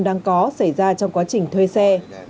đáng có xảy ra trong quá trình thuê xe